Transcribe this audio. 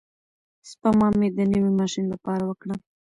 سپما مې د نوي ماشین لپاره وکړه.